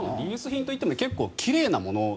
リユース品といっても結構、奇麗なもの。